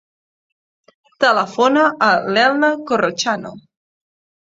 Telefona a l'Elna Corrochano.